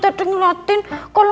aku mau pergi dulu